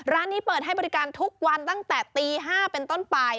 นี้เปิดให้บริการทุกวันตั้งแต่ตี๕เป็นต้นไป